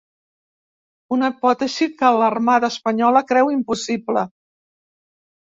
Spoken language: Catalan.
Una hipòtesi que l’armada espanyola creu impossible.